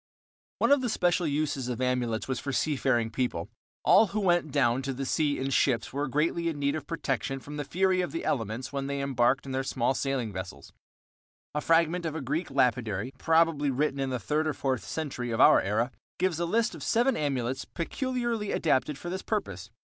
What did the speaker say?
One of the special uses of amulets was for seafaring people, for, in ancient times especially, all who went down to the sea in ships were greatly in need of protection from the fury of the elements when they embarked in their small sailing vessels. A fragment of a Greek Lapidary, probably written in the third or fourth century of our era, gives a list of seven amulets peculiarly adapted for this purpose.